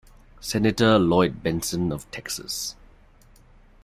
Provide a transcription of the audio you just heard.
Senator Lloyd Bentsen of Texas.